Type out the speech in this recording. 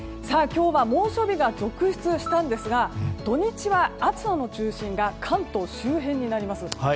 今日は猛暑日が続出したんですが土日は暑さの中心が関東周辺になります。